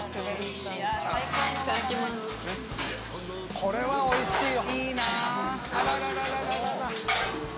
これはおいしいよ。